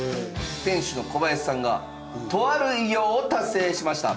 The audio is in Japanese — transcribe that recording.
店主の小林さんがとある偉業を達成しました。